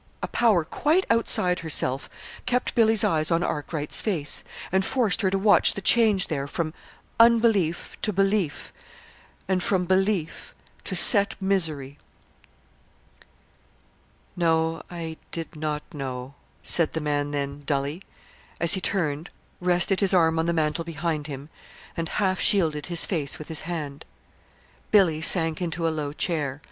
A power quite outside herself kept Billy's eyes on Arkwright's face, and forced her to watch the change there from unbelief to belief, and from belief to set misery. "No, I did not know," said the man then, dully, as he turned, rested his arm on the mantel behind him, and half shielded his face with his hand. Billy sank into a low chair.